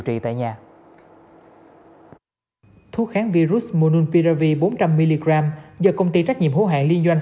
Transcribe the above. trị tại nhà thuốc kháng virus mononpiravir bốn trăm linh mg do công ty trách nhiệm hữu hạn liên doanh